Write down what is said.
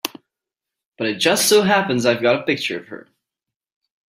But it just so happens I've got a picture of her.